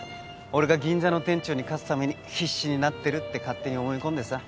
俺が銀座の店長に勝つために必死になってるって勝手に思い込んでさ。